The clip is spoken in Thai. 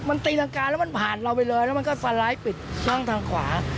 มันตีรังกาแล้วมันผ่านเราไปเลยแล้วมันก็สไลด์ปิดช่องทางขวา